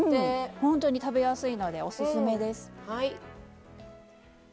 本当に食べやすいのでオススメです。